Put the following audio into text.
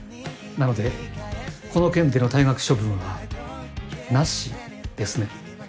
なのでこの件での退学処分はなしですね。